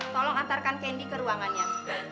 tolong antarkan kendi ke ruangannya